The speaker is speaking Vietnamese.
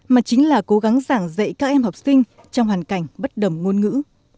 mà chính là cố gắng giảng dạy các em học sinh trong hoàn cảnh bất đồng ngôn ngữ